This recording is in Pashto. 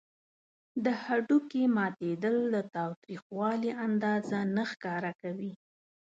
د هډوکي ماتیدل د تاوتریخوالي اندازه نه ښکاره کوي.